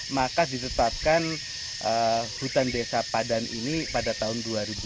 maka ditetapkan hutan desa padan ini pada tahun dua ribu dua puluh